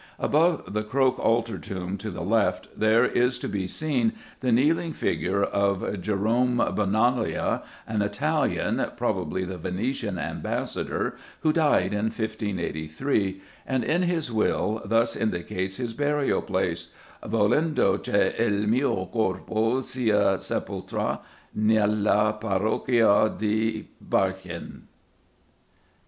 Above the Croke altar tomb, to the left, there is to be seen the kneeling figure of Jerome Bonalia, an Italian, probably the Venetian Ambassador, who died in 1583 and, in his will, thus indicates his burial place, "Volendo che il mio corpo sia sepoltra n'ella pariochia d'i Barchin."